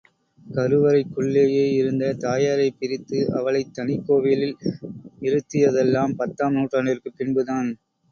கருவறைக்குள்ளேயே இருந்த தாயாரைப் பிரித்து, அவளைத் தனிக் கோயிலில் இருத்தியதெல்லாம் பத்தாம் நூற்றாண்டிற்குப் பின்புதான்.